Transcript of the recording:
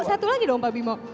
satu lagi dong pak bimo